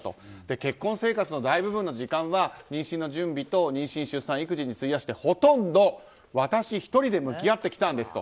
結婚生活の大部分の時間は妊娠の準備と妊娠・出産・育児に費やしてほとんど私１人で向き合ってきたんですと。